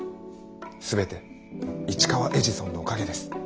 全て市川エジソンのおかげです。